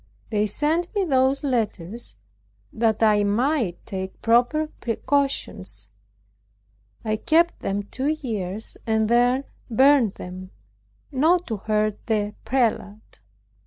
They sent me those letters that I might take proper precautions. I kept them two years, and then burned them, not to hurt the prelate.